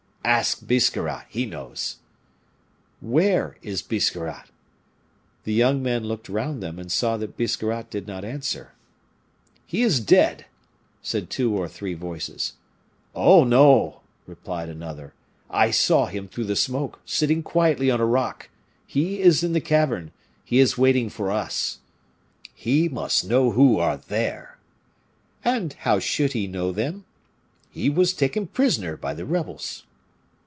"Ask Biscarrat, he knows." "Where is Biscarrat?" The young men looked round them, and saw that Biscarrat did not answer. "He is dead!" said two or three voices. "Oh! no!" replied another, "I saw him through the smoke, sitting quietly on a rock. He is in the cavern; he is waiting for us." "He must know who are there." "And how should he know them?" "He was taken prisoner by the rebels."